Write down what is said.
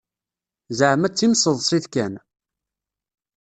Zeεma d timseḍsit kan.